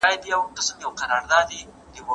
که مجازي اړیکه فعاله وي، پوښتني نه پاته کېږي.